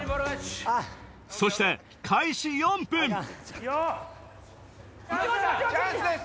そして開始４分チャンスです！